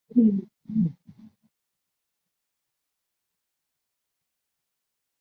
马塔是巴西南大河州的一个市镇。